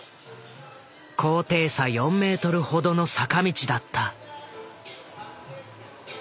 高低差４ｍほどの坂道だった。